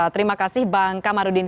terima kasih bang kamarudin